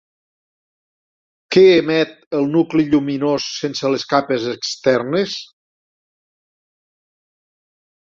Què emet el nucli lluminós sense les capes externes?